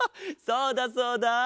そうだそうだ。